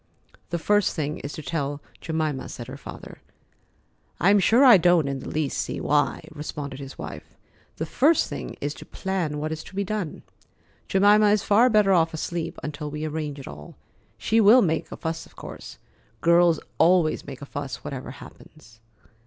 "The first thing is to tell Jemima," said her father. "I'm sure I don't in the least see why," responded his wife. "The first thing is to plan what is to be done. Jemima is far better off asleep until we arrange it all. She will make a fuss, of course. Girls always make a fuss, whatever happens."